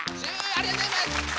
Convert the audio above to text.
ありがとうございます！